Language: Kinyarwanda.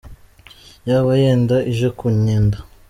Yaba yenda ije kunyenda.